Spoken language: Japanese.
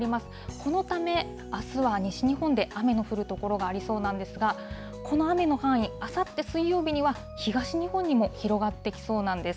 このため、あすは西日本で雨の降る所がありそうなんですが、この雨の範囲、あさって水曜日には東日本にも広がってきそうなんです。